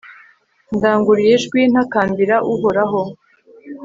ndanguruye ijwi ntakambira uhoraho